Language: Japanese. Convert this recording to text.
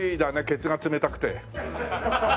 ケツが冷たくて。